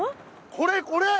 これこれ。